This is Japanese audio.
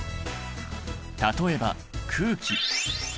例えば空気。